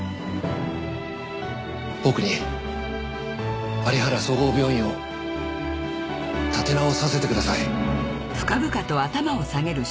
僕に有原総合病院を立て直させてください。